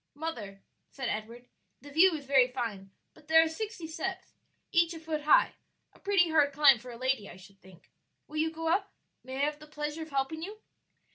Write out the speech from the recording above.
"Mother," said Edward, "the view is very fine, but there are sixty steps, each a foot high; a pretty hard climb for a lady, I should think. Will you go up? may I have the pleasure of helping you?"